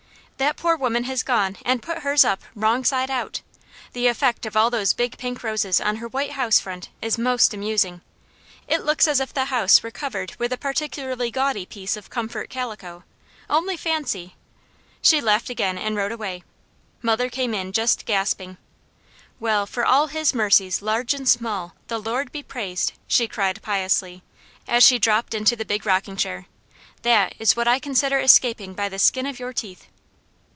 "That poor woman has gone and put hers up wrong side out. The effect of all those big pink roses on her white house front is most amusing. It looks as if the house were covered with a particularly gaudy piece of comfort calico. Only fancy!" She laughed again and rode away. Mother came in just gasping. "Well, for all His mercies, large and small, the Lord be praised!" she cried piously, as she dropped into the big rocking chair. "THAT is what I consider escaping by the skin of your teeth!"